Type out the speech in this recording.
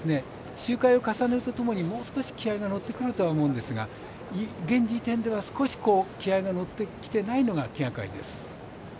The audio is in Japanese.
周回を重ねるごとにもう少し気合いが乗ってくるとは思うんですが現時点では少し気合いが乗ってきてないのが気がかりです。